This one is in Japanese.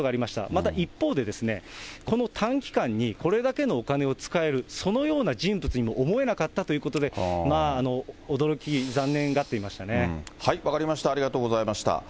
また一方で、この短期間にこれだけのお金を使える、そのような人物にも思えなかったということで、驚き、残念がって分かりました、ありがとうございました。